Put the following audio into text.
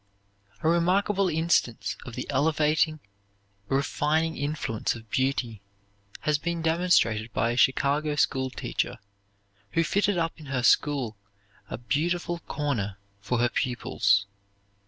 A remarkable instance of the elevating, refining influence of beauty has been demonstrated by a Chicago school teacher, who fitted up in her school a "beauty corner" for her pupils.